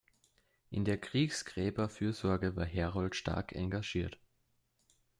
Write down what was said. In der Kriegsgräberfürsorge war Herold stark engagiert.